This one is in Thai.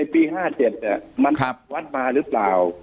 ปี๕๗ว่าวัดมารึเปล่า